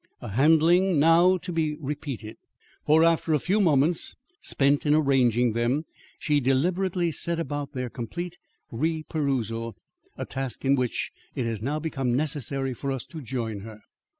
A handling now to be repeated. For after a few moments spent in arranging them, she deliberately set about their complete reperusal, a task in which it has now become necessary for us to join her.